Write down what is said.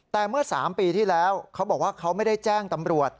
แต่เมื่อ๓ปีที่แล้วเขาบอกว่าเขาไม่ได้แจ้งตำรวจ